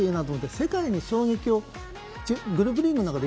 世界に衝撃をグループリーグの中で